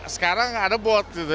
sekarang nggak ada bot gitu ya